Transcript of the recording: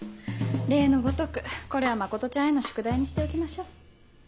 例のごとくこれは真ちゃんへの宿題にしておきましょう。